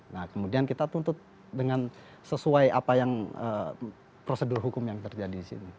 nah kemudian kita tuntut dengan sesuai apa yang prosedur hukum yang terjadi di sini